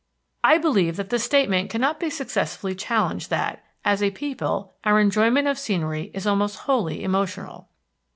I believe that the statement can not be successfully challenged that, as a people, our enjoyment of scenery is almost wholly emotional.